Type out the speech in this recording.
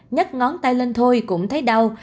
nhắc ngón tay lên thôi cũng thấy đau